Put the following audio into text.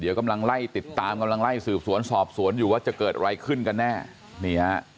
เดี๋ยวกำลังไล่ติดตามกำลังไล่สืบสวนสอบสวนอยู่ว่าจะเกิดอะไรขึ้นกันแน่นี่ฮะ